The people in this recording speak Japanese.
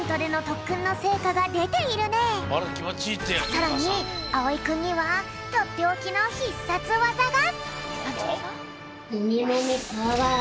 さらにあおいくんにはとっておきのひっさつわざが。